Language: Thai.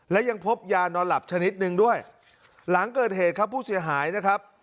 และยังพบยานอนหลับชนิดหนึ่งด้วยหลังเกิดเหตุครับผู้เสียหายนะครับ